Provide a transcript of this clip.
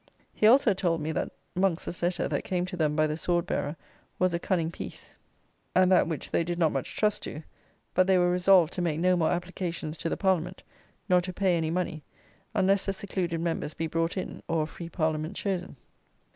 He also told me that Monk's letter that came to them by the sword bearer was a cunning piece, and that which they did not much trust to; but they were resolved to make no more applications to the Parliament, nor to pay any money, unless the secluded members be brought in, or a free Parliament chosen.